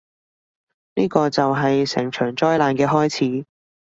呢個就係成場災難嘅開始